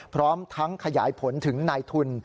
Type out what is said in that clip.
พร้อมทั้งขยายผลถึงนายทุน